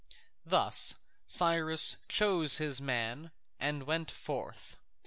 Thus Cyrus chose his man and went forth.